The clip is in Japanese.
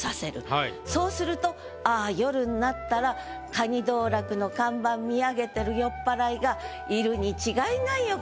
そうすると「あぁ夜になったらかに道楽の看板見上げてる酔っ払いがいるに違いないよ